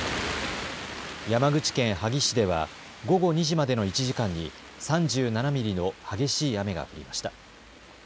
山口県萩市では午後２時までの１時間に３７ミリの激しい雨が降りました。